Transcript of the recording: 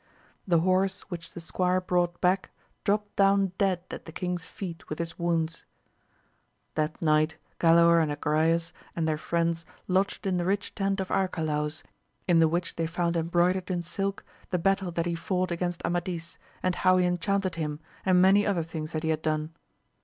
The horse which the squire brought back dropt down dead at the king's feet with his wounds. That night Galaor and Agrayes and their friends lodged in the rich tent of Arcalaus, in the which they found em broidered in silk the battle that he fought against Amadis, and how he enchanted him, and many other things that he had done.